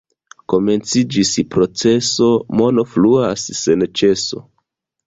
Komenciĝis proceso, mono fluas sen ĉeso.